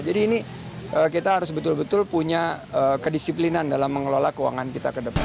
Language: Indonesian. jadi ini kita harus betul betul punya kedisiplinan dalam mengelola keuangan kita ke depan